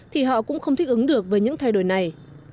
thì họ cũng không thích ứng được với những thay đổi này